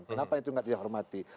kenapa itu gak dihormati